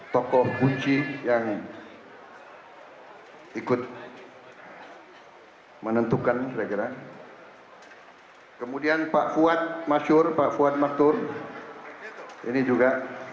tokoh kunci yang ikut menentukan kira kira kemudian pak fuad masyur pak fuad maktur ini juga